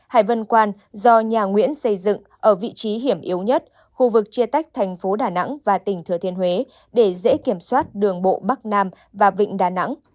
hải vân quan do nhà nguyễn xây dựng ở vị trí hiểm yếu nhất khu vực chia tách thành phố đà nẵng và tỉnh thừa thiên huế để dễ kiểm soát đường bộ bắc nam và vịnh đà nẵng